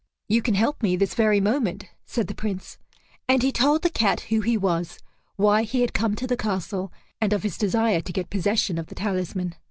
"You can help me this very moment," said the Prince. And he told the cat who he was, why he had come to the castle, and of his desire to get possession of the talisman.